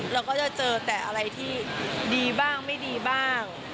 เราก็จะเจอแต่อะไรที่ดีบ้างไม่ดีบ้าง